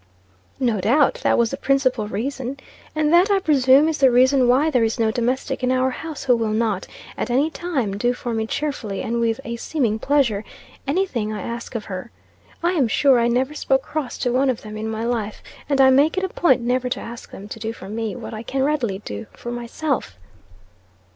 "No doubt that was the principal reason. And that I presume is the reason why there is no domestic in our house who will not, at any time, do for me cheerfully, and with a seeming pleasure, any thing I ask of her. I am sure I never spoke cross to one of them in my life and I make it a point never to ask them to do for me what I can readily do for myself."